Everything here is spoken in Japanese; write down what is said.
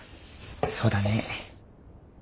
そうだね。